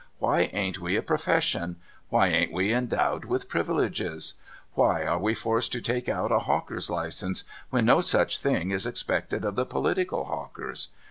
Why ain't we a profession ? Why ain't we endowed with privileges ? Why are we forced to take out a hawker's license, when no such thing is expected of the political hawkers